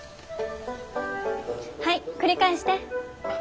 はい繰り返して。